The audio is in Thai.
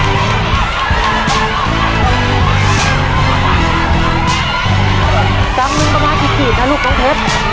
กลับนึงประมาณกี่ขีดนะลูกล้องเทศ